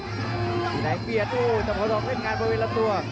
อีซีแดงเปลี่ยนจังหวังต้องเล่นการประวิดลับตัว